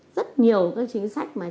rất nhiều các chính sách mà